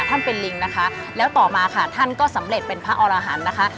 ท่านเป็นลิงนะคะแล้วต่อมาค่ะท่านก็สำเร็จเป็นพระอรหันต์นะคะ